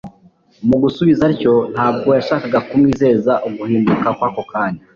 Mu gusubiza atyo, ntabwo yashakaga kumwizeza uguhinduka kw'ako kanya.